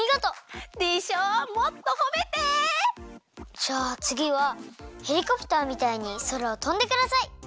じゃあつぎはヘリコプターみたいにそらをとんでください！